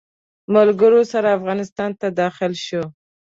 ملګرو سره افغانستان ته داخل شو.